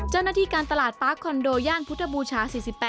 เจ้าหน้าที่การตลาดปาร์คคอนโดย่านพุทธบูชา๔๘